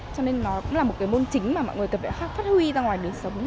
cho nên nó cũng là một cái môn chính mà mọi người cần phải khác phát huy ra ngoài đời sống